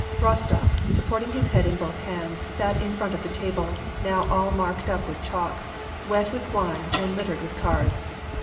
Kostof, supporting his head in both hands, sat in front of the table, now all marked up with chalk, wet with wine, and littered with cards.